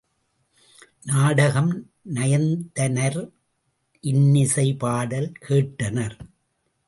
நாடகம் நயந்தனர் இன்னிசைப் பாடல் கேட்டனர்.